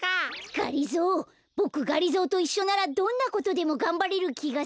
がりぞーボクがりぞーといっしょならどんなことでもがんばれるきがする。